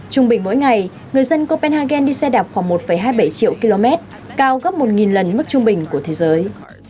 trung bình mỗi ngày người dân copenhagen đi xe đạp khoảng một hai mươi bảy triệu km cao gấp một lần mức trung bình của thế giới